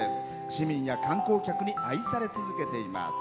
市民や観光客に愛され続けています。